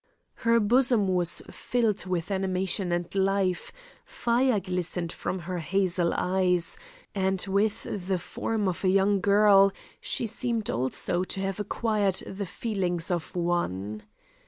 Her bosom was filled with animation and life, fire glistened from her hazel eyes, and with the form of a young girl, she seemed also to have acquired the feelings of one.